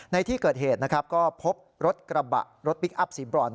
ในที่เกิดเหตุนะครับก็พบรถกระบะรถพลิกอัพสีบรอน